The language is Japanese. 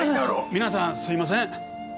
皆さんすいません。